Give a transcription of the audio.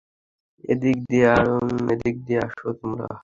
এদিক দিয়ে আসো তোমরা!